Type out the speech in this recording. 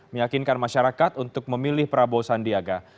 meyakinkan masyarakat untuk memilih prabowo sandiaga